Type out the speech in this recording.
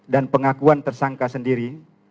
dan pengakuan tersangka sendiri